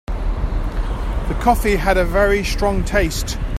The coffee had a very strong taste.